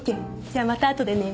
じゃあまたあとでね。